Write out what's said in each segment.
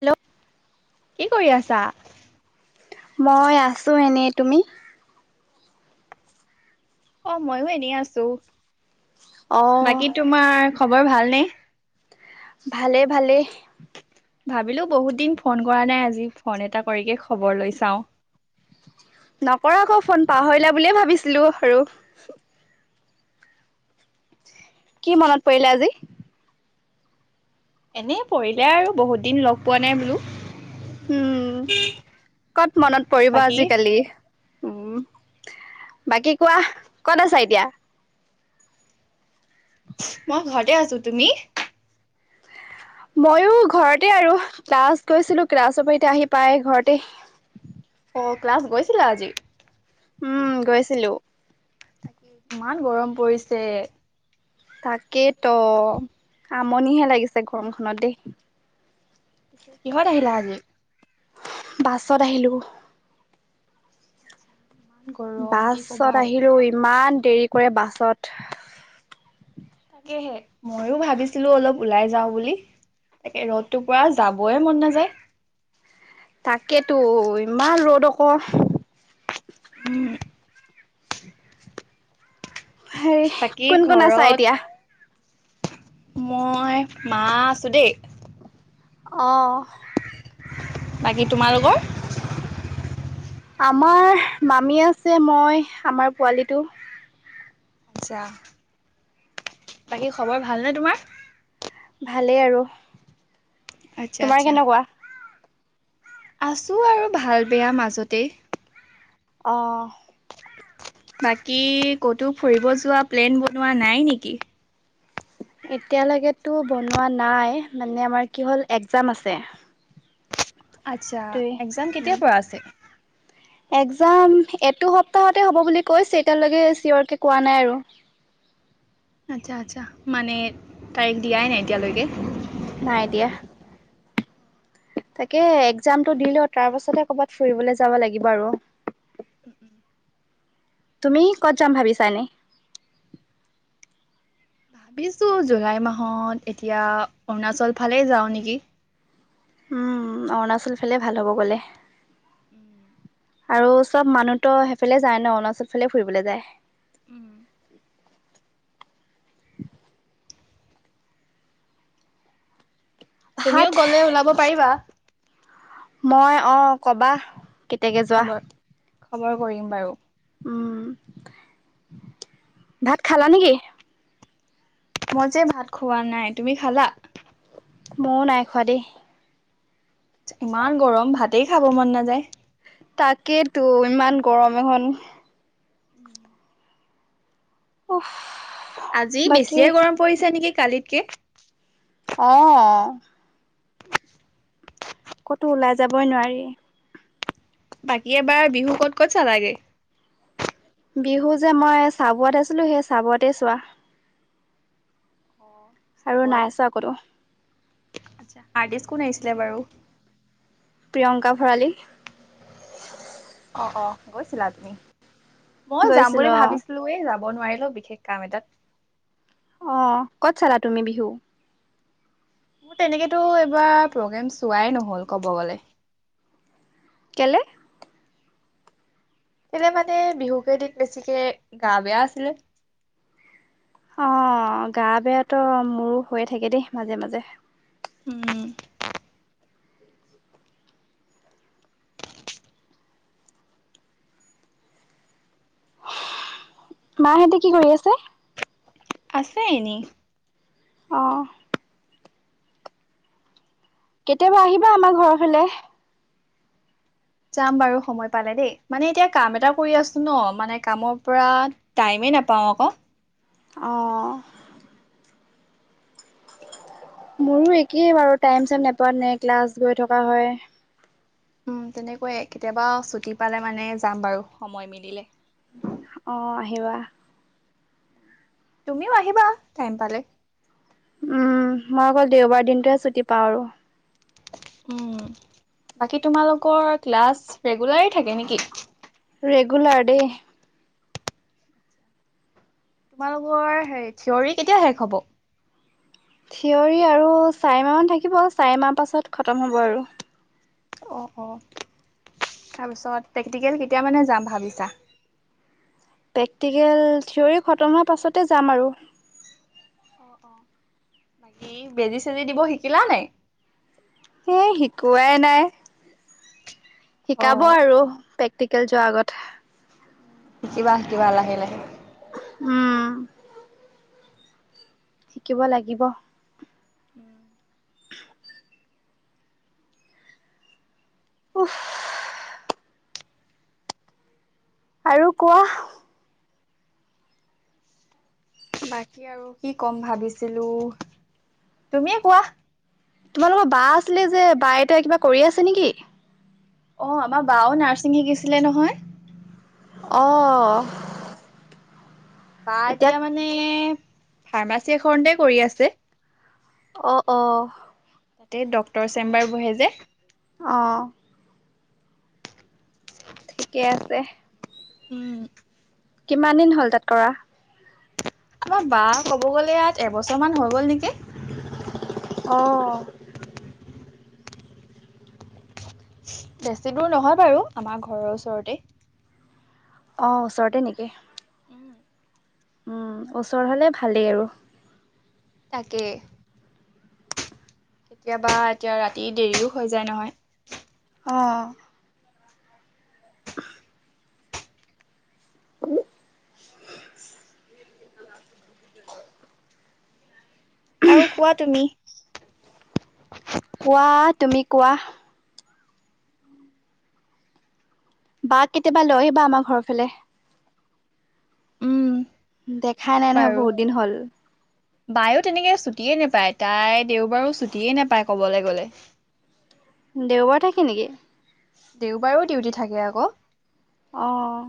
Hello, কি কৰি আছা? মই আছো এনেই তুমি। অ' ময়ো এনেই আছো অঁ বাকী তোমাৰ খবৰ ভালনে? ভালেই ভালেই ভাবিলো বহুত দিন ফোন কৰা নাই আজি ফোন এটা কৰিকে খবৰ লৈ চাও। নক আকৌ ফোন পাহৰিলা বুলিয়ে ভাবিছিলো আৰু। কি মনত পৰিলে আজি। এনেই পৰিলে আৰু বহুত দিন লগ পোৱা নাই বোলো। উম, কত মনত পৰিব বাকী আজিকালি। উম, বাকী কোৱা কত আছা এতিয়া। মই ঘৰতে আছো তুমি। মইো ঘৰতে আৰু ক্লাছ গৈছিলো ক্লাছৰ পৰা এতিয়া আহি পাই ঘৰতে। অ ক্লাছ গৈছিলা আজি। উম গৈছিলো। তাকে ইমান গৰম পৰিছে। তাকে তো আমনিহে লাগিছে গৰমখনত দেই। পিছে কিহত আহিলা আজি? বাছত আহিলোঁ। আচ্ছা। বাছত আহিলো ইমান দেৰি কৰে বাছত। তাকেহে ময়ো ভাবিছিলো অলপ ওলাই যাওঁ বুলি। তাকে ৰ'দটোৰ পৰা যাবই মন নাযায়, তাকেতো ইমান ৰ'দ আকৌ। উম, হেৰি বাকী কোন কোন আছা ঘৰত এতিয়া। মই মা আছো দেই। অহ, বাকী তোমালোকৰ? আমাৰ মামী আছে মই আমাৰ পোৱালিটো। ইচ ৰাম বাকী খবৰ ভালনে তোমাৰ। ভালেই আৰু আচ্ছা তোমাৰ আচ্ছা। কেনেকুৱা আছোঁ আৰু ভাল বেয়া মাজতেই, অহ, বাকী ক'তো ফুৰিব যোৱা প্লেন বনোৱা নাই নেকি। এতিয়ালৈকেতো বনোৱা নাই মানে আমাৰ কি হ'ল একজাম আছে। আছা সেইটোৱে এক্সজাম কেতিয়া পৰা আছে। এক্সজাম এটো সপ্তাহতে হ'ব বুলি কৈছে এতিয়ালৈকে চিঞৰকে কোৱা নাই আৰু আচ্ছা আচ্ছা মানে তাৰিখ দিয়াই নাই এতিয়ালৈকে। নাই দিয়া। তাকে এক্সজামটো দিলও তাৰ পাছতে কৰ'বাত ফুৰিবলে যাব লাগিব আৰু তুমি ক'ত যাম ভাবিছা এনে। ভাবিছো জুলাই মাহত এতিয়া অৰুণাচল ফালে যাওঁ নেকি। উম অৰুণাচল ফালে ভাল হ'ব গলে। [inaudible] আৰু চব মানুহতো সেইফালে যায় ন অৰুণাচল ফালে ফুৰিবলে যায়। তুমিও ভাত গলে ওলাব পাৰিবা। মই অ কবা কেতিয়াকে যোৱা খবৰ খবৰ কৰিম বাৰু। উম। ভাত খালা নেকি? মই যে ভাত খোৱা নাই, তুমি খালা? ময়ো নাই খোৱা দেই। ইমান গৰম ভাতেই খাব মন নাযায়। তাকেই তো ইমান গৰম এখন। [unintelligible] উফ আজি বাকী বেছিয়ে গৰম পৰিছে নেকি কালিতকে? অঁ ক'তো ওলাই যাবই নোৱাৰি।। বাকী এবাৰ বিহু ক'ত ক'ত চালাগে? বিহু যে মই চাবোআট আছিলো সেই চাবতে চোৱা আৰু চাবুৱাত নাইছা আকতো আৰ্টিষ্ট কোন আহিছিলে বাৰু? প্ৰিয়ংকা ভৰালী। অ অ গৈছিলা তুমি? মই যাম বুলি গৈছিলো অ। ভাবিছিলোৱে যাব নোৱাৰিলো বিশেষ কাম এটাত। অহ ক'ত চালা তুমি বিহু? মোৰ তেনেকেতো এইবাৰ প্ৰগ্ৰেম চোৱাই নহল কব গলে। কেলে? কেলে মানে বিহু কেইদিন বেছিকে গা বেয়া আছিলে। অ গা বেয়া তো মোৰো হৈয়ে থাকে দেই মাজে মাজে। উম। মাহতে কি কৰি আছে? আছে এনেই। অহ কেতিয়াবা আহিবা আমাৰ ঘৰৰ ফালে। যাম বাৰু সময় পালে দেই মানে এতিয়া কাম এটা কৰি আছো ন মানে কামৰ পৰা টাইম নাপাওঁ আকৌ। অঁ মোৰো একেই বাৰু টাইম চাইম নেপোতেনে ক্লাছ গৈ থকা হয়। উম তেনেকোৱাই কেতিয়াবা ছুটি পালে মানে যাম বাৰু সময় মিলিলে। অ আহিবা। তুমিও আহিবা টাইম পালে। উম মই অকল দেওবাৰ দিনটোহে ছুটি পাওঁ আৰু। উম বাকী তোমালোকৰ ক্লাছ ৰেগুলাৰেই থাকে নেকি? ৰেগুলাৰ দেই। তোমালোকৰ হে থিয়ৰী কেতিয়া শেষ হ'ব? থিয়ৰী আৰু চাৰি মাহমান থাকিব চাৰি মাহ পাছত খতম হ'ব আৰু। অ অ তাৰপিছত টেকনিকেল কেতিয়া মানে যাম ভাবিছা? প্ৰেক্টিকেল থিয়ৰী খতম হোৱাৰ পাছতে যাম আৰু। অ অ বাকী বেজি -চেজি দিব শিকিলা নাই? এ শিকোৱাই নাই। শিকাব অ', আৰু প্ৰেক্টিকেল যোৱাৰ আগত। শিকিবা শিকিবা লাহে লাহে। উম। শিকিব লাগিব। উম। উফ্ আৰু কোৱা। বাকী আৰু কি ক'ম ভাবিছিলো তুমিয়ে কোৱা তোমালোকৰ বা আছিলে যে বা এতিয়া কিবা কৰি আছে নেকি? অ আমাৰ বাও নাৰ্ছিং শিকিছিলে নহয়। অ'। বা এতিয়া মানে ফাৰ্মাচী এখনতে কৰি আছে। অঁ অ। তাতে ড্টৰ চেম্বাৰ বহে যে। অহ। ঠিকে আছে। উম। কিমান দিন হ'ল তাত কৰা? আমাৰ বা ক'ব গ'লে ইয়াত এবছৰ মান হৈ গ'ল নেকি। অ। বেছি দূৰ নহয় বাৰু আমাৰ ঘৰৰ ওচৰতে। অ', ওচৰতে নেকি? উম ওচৰ হ'লে ভালেই আৰু। তাকে। কেতিয়াবা এতিয়া ৰাতি দেৰিও হৈ যায় নহয়। অ'। [inaudible] আৰু কোৱা তুমি? কোৱা তুমি কোৱা। বা কেতিয়াবা লৈ আহিবা আমাৰ ঘৰৰ ফালে। উম দেখাই নিম নাই নহয় বাৰু বহুত দিন হ'ল। বায়ো তেনেকে ছুটিয়ে নেপায় তাই দেওবাৰো ছুটিয়ে নেপায় কবলৈ গ'লে। দেওবাৰো থাকে নেকি? দেওবাৰো ডিউটি থাকে আকৌ। আহ।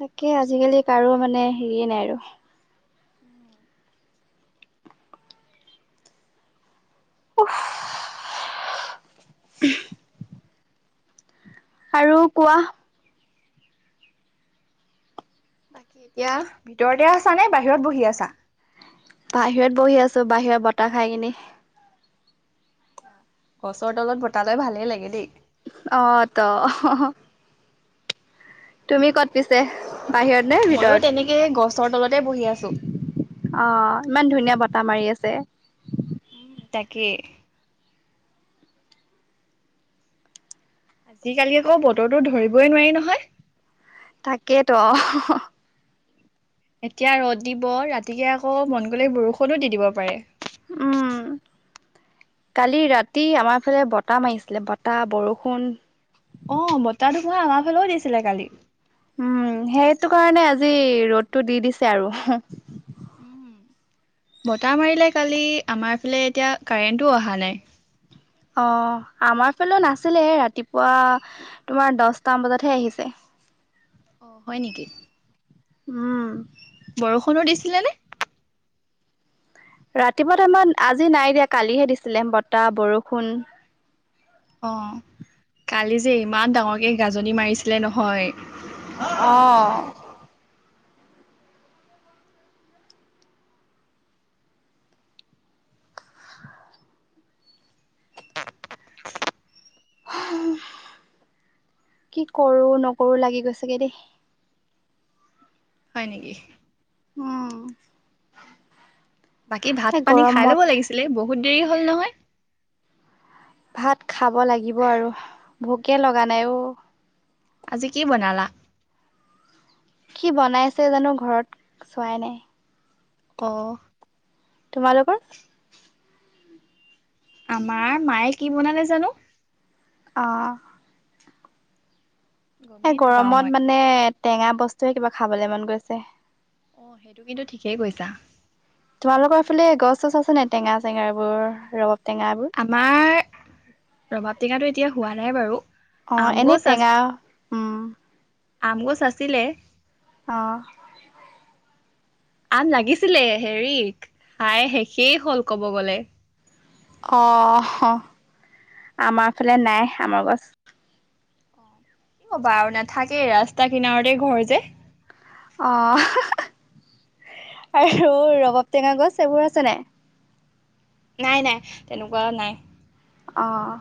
তাকে আজিকালি কাৰো মানে হেৰিয়ে নাই আৰু। উফ আৰু কোৱা। বাকী এতিয়া ভিতৰতে আছা নে বাহিৰত বহি আছা? বাহিৰত বহি আছো বাহিৰত বতাহ খাই কিনি। আ গছৰ তলত বতালৈ ভালেই লাগে দেই। অ', ত'। তুমি ক'ত পিছে? বাহিৰত নে ময়ো ভিতৰত। তেনেকে গছৰ তলতে বহি আছো অ', ইমান ধুনীয়া বত টা মাৰি আছে। উম তাকে। আজিকালি আকৌ বতৰটো ধৰিবই নোৱাৰি নহয়। তাকেইেতো। এতিয়া ৰ'দ দিব ৰাতিকে আকৌ মন গ'লে বৰষুণো দি দিব পাৰে। [inaudible] উম, কালি ৰাতি আমাৰ ফালে বতাহ মাৰিছিলে বতাহ বৰষুণ অ', বতাহ ধুমুহা আমাৰ ফালেও দিছিলে কালি। উম সেইটো কাৰণে আজি ৰ'দটো দি দিছে আৰু। উম। বতাহ মাৰিলে কালি আমাৰ ফালে এতিয়া কাৰেণ্টো অহা নাই। অ', আমাৰ ফালে নাছিলে ৰাতিপুৱা তোমাৰ দশটাম বজাতহে আহিছে। অ', হয় নেকি। উম। বৰষুণো দিছিলে নে? ৰাতিপুৱা টাইমত আজি নাই দিয়া কালিহে দিছিলে বতাহ বৰষুণ। অ', কালি যে ইমান ডাঙৰকে গাজনি মাৰিছিলে নহয়। অ'। কি কৰো নকৰো লাগি গৈছেগে দেই। হয় নেকি। উম। বাকী ভাত এই পানী খাই ল'ব গৰমত লাগিছিলে বহুত দেৰি হ'ল নহয়। ভাত খাব লাগিব আৰু ভোকে লগা নাই অ'। আজি কি বনালা? কি বনাইছে জানো ঘৰত চোৱাই নাই। অ'। তোমালোকে? আমাৰ মায়ে কি বনালে জানো। অ'। এ' গমেই নাপাওঁ মই গৰমত মানে টেঙা বস্তুৱে কিবা খাবলে মন গৈছে। অ' সেইটো কিন্তু ঠিকেই কৈছা। তোমালোকৰ ফালে গছ, চছ আছে নাই টেঙা-চেঙা এইবোৰৰ ৰব আমাৰ ৰবাব টেঙাটো এতিয়া হোৱা নাই বাৰু। অ' আম এনেই গছ টেঙা উম' আমগছ আছিলে। অ'। আম লাগিছিলে হেৰিক হাই শেষেই হল কব গলে। অ' হ আমাৰ ফালে নাই আমৰ গছ। কি ক'বা আৰু নাথাকেই ৰাস্তাৰ কিনাৰতে ঘৰ যে। অ'। [unintelligible] আৰু ৰবাব টেঙা গছ এইবোৰ আছে নাই। নাই নাই তেনেকুৱা নাই। অ'।